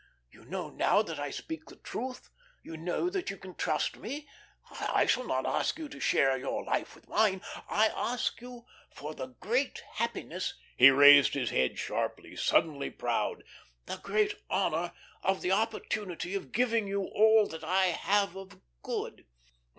You know now that I speak the truth, you know that you can trust me. I shall not ask you to share your life with mine. I ask you for the great happiness" he raised his head sharply, suddenly proud "the great honour of the opportunity of giving you all that I have of good.